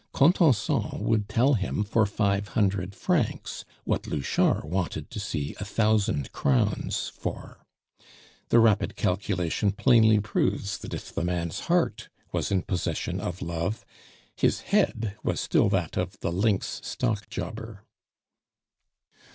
Contenson would tell him for five hundred francs what Louchard wanted to see a thousand crowns for. The rapid calculation plainly proves that if the man's heart was in possession of love, his head was still that of the lynx stock jobber.